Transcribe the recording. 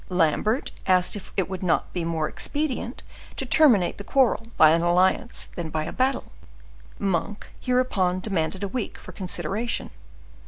Lambert asked if it would not be more expedient to terminate the quarrel by an alliance than by a battle. Monk hereupon demanded a week for consideration.